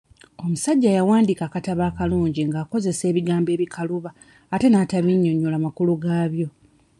Omusajja yawandiika akatabo kalungi ng'akozesa ebigambo ebikaluba ate n'atabinnyonyola makulu gaabyo.